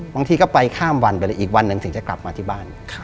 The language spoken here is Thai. บางทีก็ไปข้ามวันไปเลยอีกวันหนึ่งถึงจะกลับมาที่บ้าน